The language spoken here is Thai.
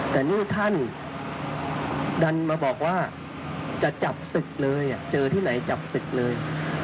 แต่นี่ท่านดันมาบอกว่าจะจับศึกเลยเจอที่ไหนจับศึกเลย